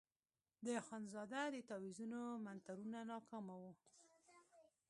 د اخندزاده د تاویزونو منترونه ناکامه وو.